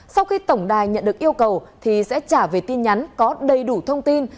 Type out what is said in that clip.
sau khi tổng đài nhận được yêu cầu thì sẽ trả về tin nhắn có đầy đủ thông tin